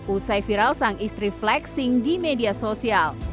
usai viral sang istri flexing di media sosial